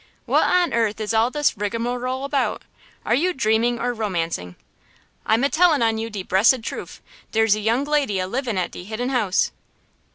"What on earth is all this rigmarole about? Are you dreaming or romancing?" "I'm a telling on you de bressed trufe! Dere's a young lady a livin' at de Hidden House!"